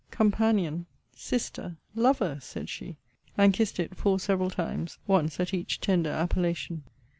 Companion! Sister! Lover! said she and kissed it four several times, once at each tender appellation.